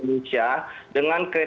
dengan kriteria lembaganya industri